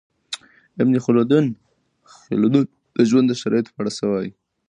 ابن خلدون د ژوند د شرایطو په اړه څه وايي؟